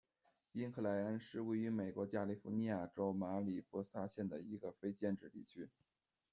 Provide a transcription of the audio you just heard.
因克莱恩是位于美国加利福尼亚州马里波萨县的一个非建制地区。